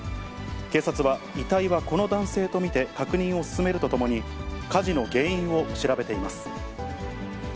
警察は、遺体はこの男性と見て確認を進めるとともに、火事の原因を調べています。